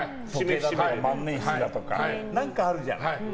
万年筆だとか何かあるじゃない。